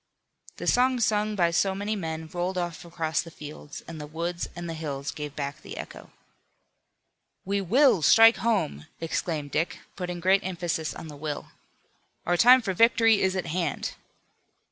The song sung by so many men rolled off across the fields, and the woods and the hills gave back the echo. "We will strike home!" exclaimed Dick, putting great emphasis on the "will." "Our time for victory is at hand."